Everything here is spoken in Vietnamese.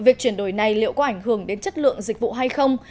việc chuyển đổi này liệu có ảnh hưởng đến chất lượng dịch vụ hay không